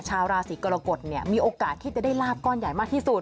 ชาวราศีกรกฎมีโอกาสที่จะได้ลาบก้อนใหญ่มากที่สุด